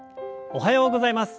おはようございます。